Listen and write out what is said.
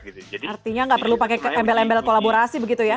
artinya nggak perlu pakai embel embel kolaborasi begitu ya